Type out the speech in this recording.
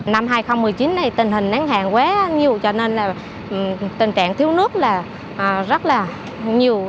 năm hai nghìn một mươi chín này tình hình nắng hàng quá nhiều cho nên là tình trạng thiếu nước là rất là nhiều